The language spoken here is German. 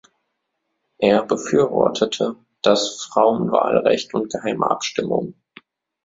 Er befürwortete das Frauenwahlrecht und geheime Abstimmungen.